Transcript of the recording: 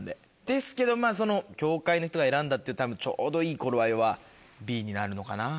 ですけど協会の人が選んだちょうどいい頃合いはＢになるのかな。